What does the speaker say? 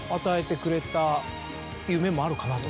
っていう面もあるかなと。